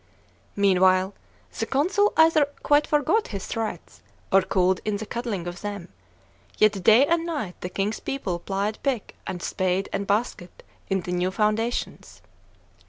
Meanwhile, the consul either quite forgot his threats, or cooled in the cuddling of them; yet day and night the king's people plied pick and spade and basket in the new foundations.